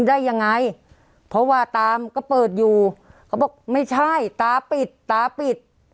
ได้ยังไงเพราะว่าตามก็เปิดอยู่เขาบอกไม่ใช่ตาปิดตาปิด